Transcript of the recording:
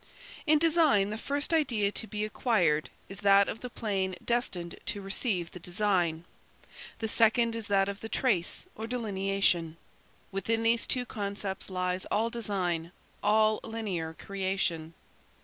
In design the first idea to be acquired is that of the plane destined to receive the design. The second is that of the trace or delineation. Within these two concepts lies all design, all linear creation.